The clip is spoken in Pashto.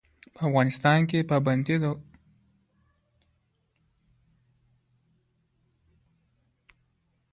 په افغانستان کې پابندی غرونه د خلکو د اعتقاداتو سره تړاو لري.